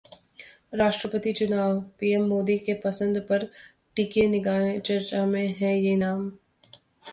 राष्ट्रपति चुनाव: पीएम मोदी की पसंद पर टिकी निगाहें, चर्चा में हैं ये नाम